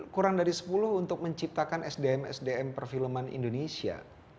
kurang dari sepuluh untuk menciptakan sdm sdm perfilman indonesia